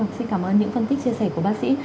xin cảm ơn những phân tích chia sẻ của bác sĩ